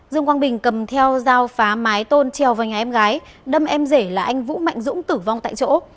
dương quang bình cầm theo dao phá mái tôn treo vào nhà em gái đâm em rể là anh vũ mạnh dũng tử vong tại chỗ